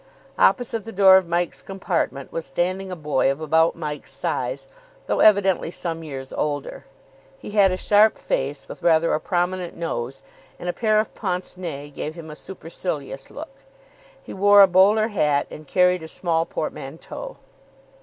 Opposite the door of Mike's compartment was standing a boy of about Mike's size, though evidently some years older. He had a sharp face, with rather a prominent nose; and a pair of pince nez gave him a supercilious look. He wore a bowler hat, and carried a small portmanteau.